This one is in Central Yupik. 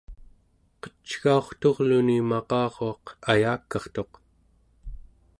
qecgaurturluni maqaruaq ayakartuq